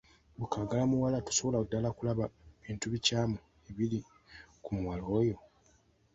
Ggwe kaagalamuwala tosobolera ddala kulaba bintu bikyamu ebiri ku muwala oyo.